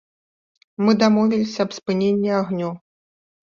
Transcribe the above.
Мы дамовіліся аб спыненні агню.